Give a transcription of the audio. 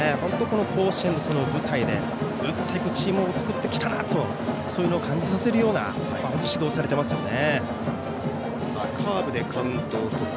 甲子園の舞台で打っていくチームを作ってきたなと感じさせるような指導をされていますよね。